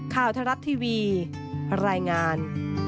ข่าวทะลัดทีวีรายงาน